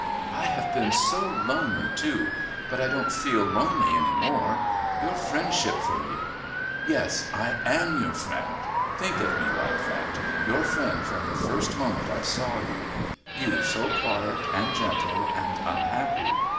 "I have been so lonely too. But I don't feel lonely any more. Your friendship for me...." "Yes, I am your friend. Think of me like that. Your friend from the first moment I saw you you so quiet and gentle and unhappy.